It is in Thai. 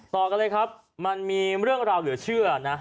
ต่อกันเลยครับมันมีเรื่องราวเหลือเชื่อนะ